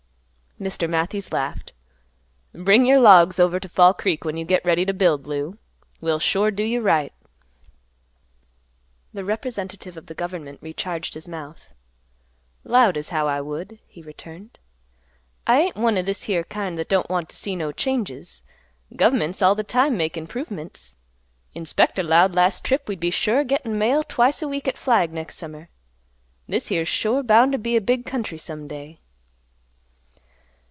Mr. Matthews laughed, "Bring your logs over to Fall Creek when you get ready to build, Lou; we'll sure do you right." The representative of the government recharged his mouth. "'Lowed as how I would," he returned. "I ain't one o' this here kind that don't want t' see no changes. Gov'ment's all th' time makin' 'provements. Inspector 'lowed last trip we'd sure be a gettin' mail twice a week at Flag next summer. This here's sure bound t' be a big country some day.